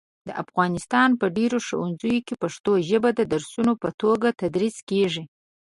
د افغانستان په ډېری ښوونځیو کې پښتو ژبه د درسونو په توګه تدریس کېږي.